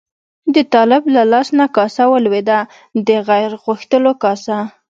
د طالب له لاس نه کاسه ولوېده، د خیر غوښتلو کاسه.